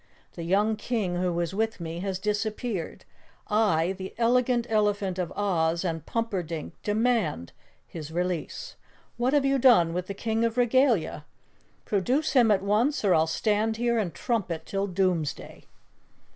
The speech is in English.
The young King who was with me has disappeared. I, the Elegant Elephant of Oz and Pumperdink, DEMAND his release. What have you done with the King of Regalia? Produce him at once, or I'll stand here and trumpet till doomsday!"